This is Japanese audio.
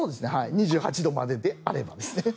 ２８度までであればですね。